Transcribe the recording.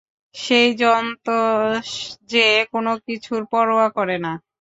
সেই জন্তু যে কোনোকিছুর পরোয়া করে না।